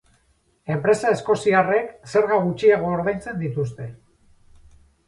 Enpresa eskoziarrek zerga gutxiago ordaintzen dituzte.